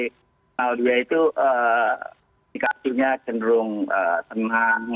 hal itu dikasihnya cenderung tenang